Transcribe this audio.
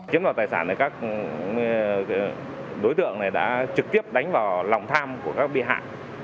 chiếm đoạt tài sản này các đối tượng này đã trực tiếp đánh vào lòng tham của các bị hại